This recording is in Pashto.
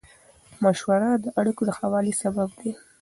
مشوره د اړیکو د ښه والي سبب دی.